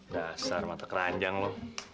dasar mata keranjang lo